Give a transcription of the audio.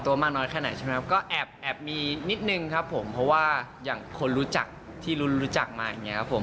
มากน้อยแค่ไหนใช่ไหมครับก็แอบมีนิดนึงครับผมเพราะว่าอย่างคนรู้จักที่รุ้นรู้จักมาอย่างเงี้ครับผม